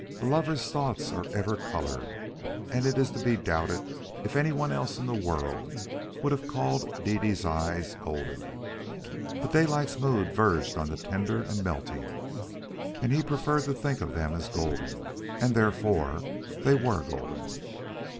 A lover's thoughts are ever colored, and it is to be doubted if any one else in the world would have called Dede's eyes golden. But Daylight's mood verged on the tender and melting, and he preferred to think of them as golden, and therefore they were golden.